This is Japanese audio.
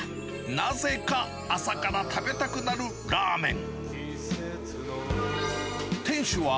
なぜか朝から食べたくなるラーメン。